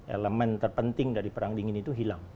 elemen terpenting dari perang dingin itu hilang